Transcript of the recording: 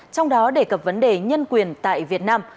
trong đó đề cập vấn đề nhân quyền tại việt nam